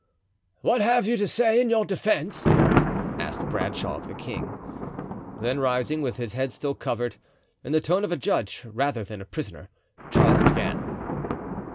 "What have you to say in your defense?" asked Bradshaw of the king. Then rising, with his head still covered, in the tone of a judge rather than a prisoner, Charles began.